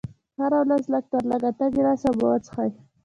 هره ورځ لږ تر لږه اته ګيلاسه اوبه وڅښئ.